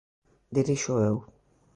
Dirixo eu.